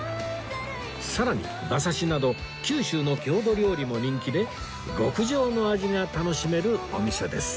さらに馬刺しなど九州の郷土料理も人気で極上の味が楽しめるお店です